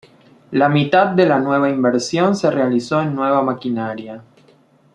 La mitad de la nueva inversión se realizó en nueva maquinaria.